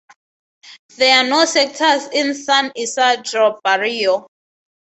There are no sectors in San Isidro barrio.